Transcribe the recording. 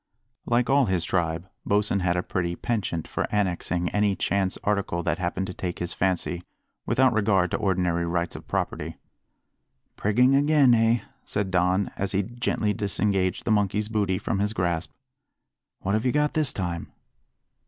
Like all his tribe, Bosin had a pretty penchant for annexing any chance article that happened to take his fancy, without regard to ordinary rights of property. "Prigging again, eh?" said Don, as he gently disengaged the monkey's booty from his grasp. "What have you got this time?"